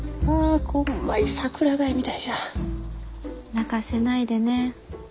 泣かせないでね。